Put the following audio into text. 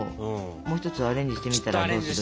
もう一つアレンジしてみたらどうする？